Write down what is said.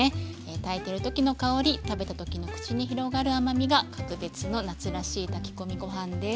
炊いてる時の香り食べた時の口に広がる甘みが格別の夏らしい炊き込みご飯です。